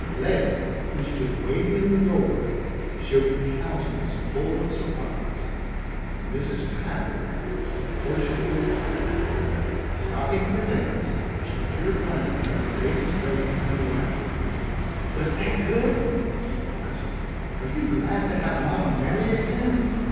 Letty, who stood waiting in the doorway, showed a countenance full of surprise. Mrs. Packard was the first to feel tired. Stopping her dance, she peered round at the baby's face and laughed. "Was that good?" she asked. "Are you glad to have mama merry again?